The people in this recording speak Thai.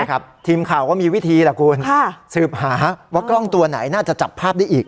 ทีมข่าวก็มีวิธีล่ะคุณสืบหาว่ากล้องตัวไหนน่าจะจับภาพได้อีก